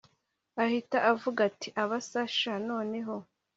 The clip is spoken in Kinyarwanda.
ahita avuga ati abasa sha noneho